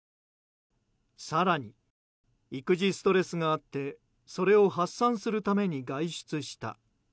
更に、育児ストレスがあってそれを発散するために外出した。